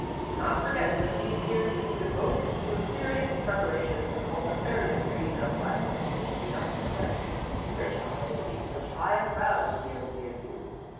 Do not forget that these years should be devoted to a serious preparation for the multifarious duties of life, and do not neglect the rich opportunities which I am proud to be able to give you.